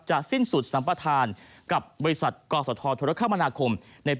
จะสิ้นสุดสัมพัทธารกับกรศธธธรภคม๑๙๒๑